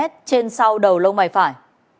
trên sau đầu lông bài phải